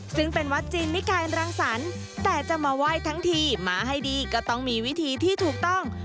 ซึ่งเป็นวัดจีนนิกายรังสรรค์แต่จะมาไหว้ทั้งทีมาให้ดีก็ต้องมีวิธีที่ถูกต้อง